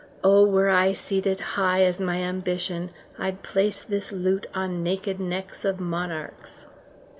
"Oh, were I seated high as my ambition, I'd place this loot on naked necks of monarchs!"